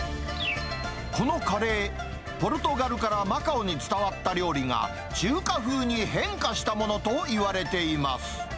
このカレー、ポルトガルからマカオに伝わった料理が、中華風に変化したものといわれています。